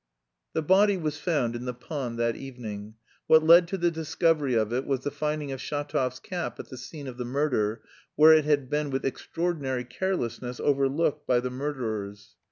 The body was found in the pond that evening. What led to the discovery of it was the finding of Shatov's cap at the scene of the murder, where it had been with extraordinary carelessness overlooked by the murderers.